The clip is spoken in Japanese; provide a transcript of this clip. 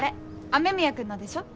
雨宮くんのでしょ。